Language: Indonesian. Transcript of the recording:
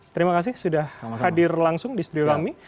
terima kasih sudah hadir langsung di sri rami